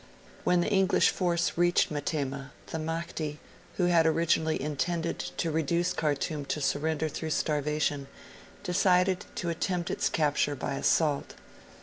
When the English force reached Metemmah, the Mahdi, who had originally intended to reduce Khartoum to surrender through starvation, decided to attempt its capture by assault.